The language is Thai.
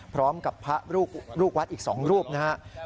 พร้อมกับพระลูกวัดอีก๒รูปนะครับ